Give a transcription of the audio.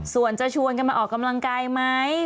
ส่วนจะชวนกันมาออกกำลังกายไหม